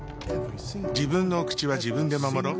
自分のお口は自分で守ろっ。